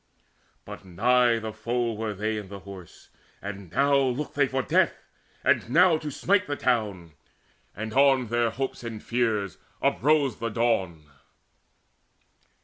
But nigh the foe were they in the Horse, and now Looked they for death, and now to smite the town; And on their hopes and fears uprose the dawn.